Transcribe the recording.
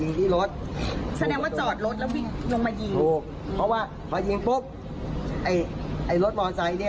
สิ่งไปที่สุดยิงมันไม่ได้